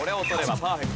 パーフェクト！